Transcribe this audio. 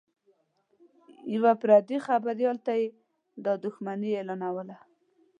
یوه پردي خبریال ته یې دا دښمني اعلانوله